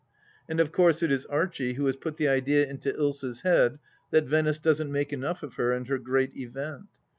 And of course it is Archie who has put the idea into Ilsa's head that Venice doesn't make enough of her and her great event.